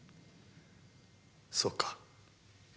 そうか。